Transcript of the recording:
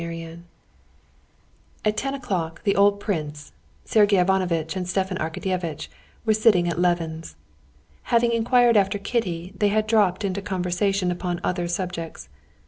Chapter 16 At ten o'clock the old prince, Sergey Ivanovitch, and Stepan Arkadyevitch were sitting at Levin's. Having inquired after Kitty, they had dropped into conversation upon other subjects.